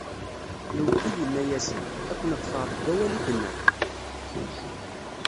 Lewkil inna-asen: Ad ken-ṭṭfeɣ deg wawal i d-tennam!